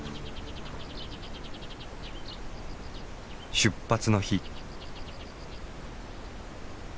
出発の日。